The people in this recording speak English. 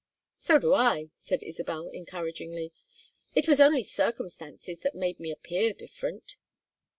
"So do I," said Isabel, encouragingly. "It was only circumstances that made me appear different."